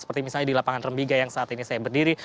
seperti misalnya di lapangan rembiga yang saat ini saya berdiri